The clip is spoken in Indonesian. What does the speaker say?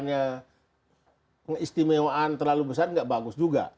nanti kalau ini ada keistimewaan terlalu besar tidak bagus juga